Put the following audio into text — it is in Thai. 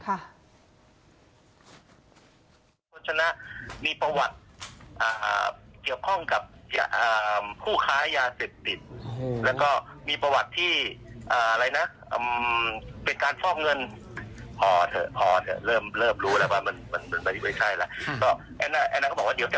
อันนั้นเขาบอกว่าเดี๋ยวจะ